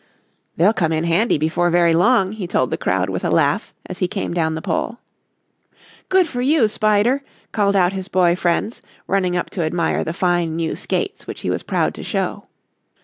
"They'll come in handy before very long," he told the crowd with a laugh as he came down the pole. "Good for you, Spider," called out his boy friends, running up to admire the fine new skates which he was proud to show.